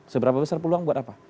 seberapa besar peluang buat apa